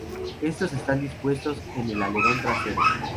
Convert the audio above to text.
Estos están dispuestos en el alerón trasero.